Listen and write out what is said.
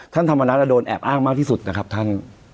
ธรรมนัฐโดนแอบอ้างมากที่สุดนะครับท่าน